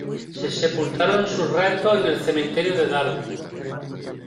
Se sepultaron sus restos en el Cementerio de Darwin.